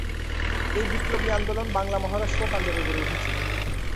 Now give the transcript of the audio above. এই বিপ্লবী আন্দোলন বাংলা, মহারাষ্ট্র ও পাঞ্জাবে গড়ে উঠেছিল।